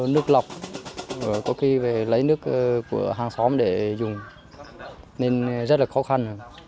nước lọc có khi về lấy nước của hàng xóm để dùng nên rất là khó khăn